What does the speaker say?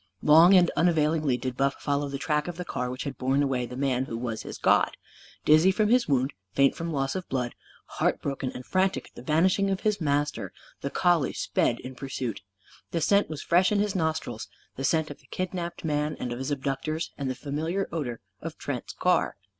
Long and unavailingly did Buff follow the track of the car which had borne away the man who was his god. Dizzy from his wound, faint from loss of blood, heart broken and frantic at the vanishing of his master, the collie sped in pursuit. The scent was fresh in his nostrils the scent of the kidnapped man and of his abductors, and the familiar odour of Trent's car.